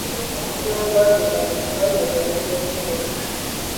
Cuba جیسا ملک ہماری نظروں میں کوئی اہمیت نہیں رکھتا۔